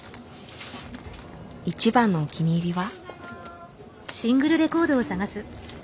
一番のお気に入りは？